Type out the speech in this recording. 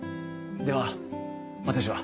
では私は。